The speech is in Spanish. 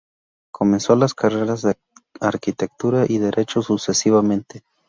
Comenzó las carreras de arquitectura y derecho, sucesivamente.